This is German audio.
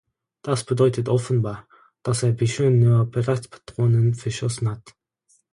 Das bedeutet offenbar, dass er bisher nur Platzpatronen verschossen hat!